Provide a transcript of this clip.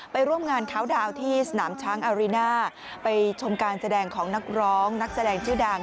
ร่วมงานคาวดาวน์ที่สนามช้างอาริน่าไปชมการแสดงของนักร้องนักแสดงชื่อดัง